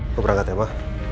apa berangkat ya ma